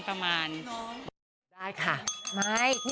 ประมาณสัก๓๐กันได้มั้ย